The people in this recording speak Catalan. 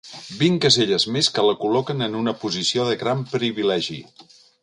Vint caselles més que la col·loquen en una posició de gran privilegi.